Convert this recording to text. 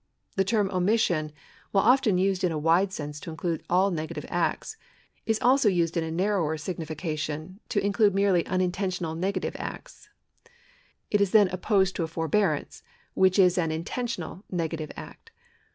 The term omission, while often used in a wide sense to include all negative acts, is also used in a narrower signification to include merely unintentional nega tive acts. It is then opposed to a forbearance, which is an intentional negative act.